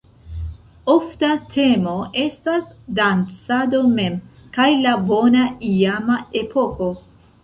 Ofta temo estas dancado mem, kaj la "bona iama epoko".